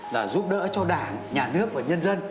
là giúp đỡ cho đảng nhà nước và nhân dân